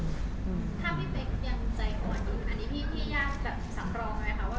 ถ้าพี่เป๊กยังใจก่อน